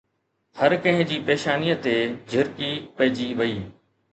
هر ڪنهن جي پيشانيءَ تي جهرڪي پئجي وئي